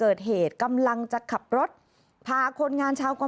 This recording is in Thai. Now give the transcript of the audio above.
มีเกือบไปชนิดนึงนะครับ